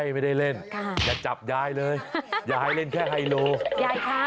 ไม่ได้เล่นค่ะอย่าจับยายเลยยายเล่นแค่ไฮโลยายค่ะ